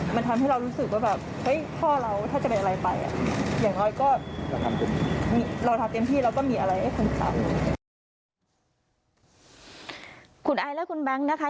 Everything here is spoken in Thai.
มันทำให้เรารู้สึกว่าแบบเฮ้ยพ่อเราถ้าจะเป็นอะไรไป